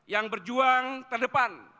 yang berjuang terdepan